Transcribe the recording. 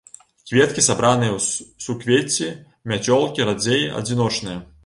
Кветкі сабраныя ў суквецці-мяцёлкі, радзей адзіночныя.